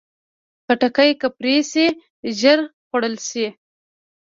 خټکی که پرې شي، ژر خوړل شي.